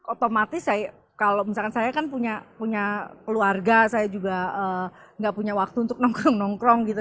otomatis saya kalau misalkan saya kan punya keluarga saya juga nggak punya waktu untuk nongkrong nongkrong gitu